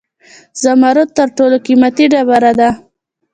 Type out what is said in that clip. زمرد تر ټولو قیمتي ډبره ده